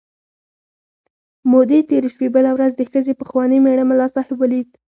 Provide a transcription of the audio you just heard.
مودې تېرې شوې، بله ورځ د ښځې پخواني مېړه ملا صاحب ولید.